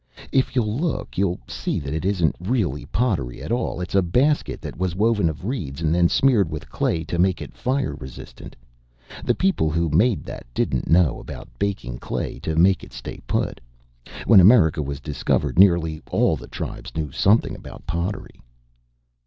"If you'll look, you'll see that it isn't really pottery at all. It's a basket that was woven of reeds and then smeared with clay to make it fire resisting. The people who made that didn't know about baking clay to make it stay put. When America was discovered nearly all the tribes knew something about pottery."